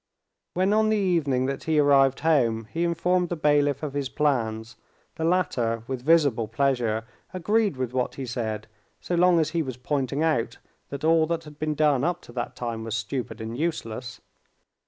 When on the evening that he arrived home he informed the bailiff of his plans, the latter with visible pleasure agreed with what he said so long as he was pointing out that all that had been done up to that time was stupid and useless.